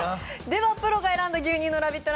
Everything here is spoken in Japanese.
ではプロが選んだ牛乳のラヴィット！